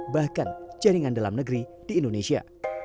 bahkan jaringan dalam negeri di indonesia